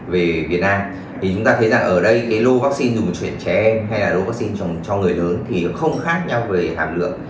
về việt nam thì chúng ta thấy rằng ở đây cái lô vaccine dùng chuyển trẻ em hay là lô vaccine cho người lớn thì nó không khác nhau về hàm lượng